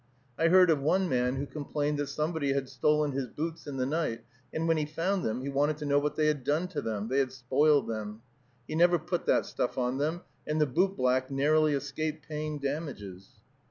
I heard of one man who complained that somebody had stolen his boots in the night; and when he found them, he wanted to know what they had done to them, they had spoiled them, he never put that stuff on them; and the bootblack narrowly escaped paying damages.